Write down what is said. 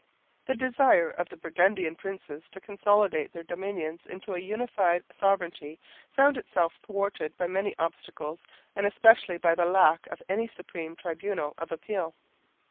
The desire of the Burgundian princes to consolidate their dominions into a unified sovereignty found itself thwarted by many obstacles and especially by the lack of any supreme tribunal of appeal.